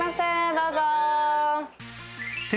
どうぞ！